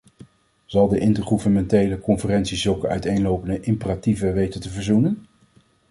Zal de intergouvernementele conferentie zulke uiteenlopende imperatieven weten te verzoenen?